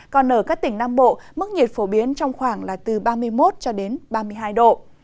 còn ở các tỉnh nam bộ mức nhiệt phổ biến trong khoảng là từ ba mươi một cho đến ba mươi hai độ